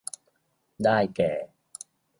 ได้แก่